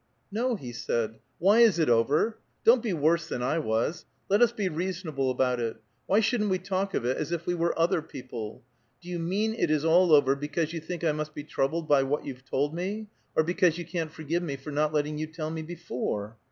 "No," he said, "why is it over? Don't be worse than I was. Let us be reasonable about it! Why shouldn't we talk of it as if we were other people? Do you mean it is all over because you think I must be troubled by what you've told me, or because you can't forgive me for not letting you tell me before?"